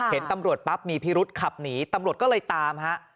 เห็นตำรวจปั๊บมีพิรุษขับหนีตำรวจก็เลยตามฮะ